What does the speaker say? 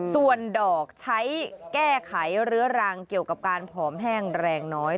ส่วนดอกใช้แก้ไขเรื้อรังเกี่ยวกับการผอมแห้งแรงน้อย